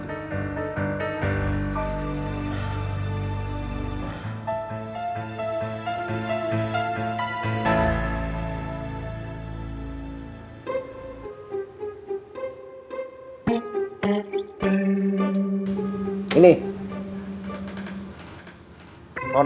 kipala gw disepakkan